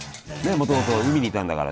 もともと海にいたんだから。